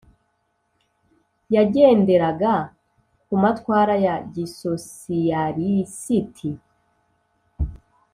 yagenderaga ku matwara ya gisosiyalisiti.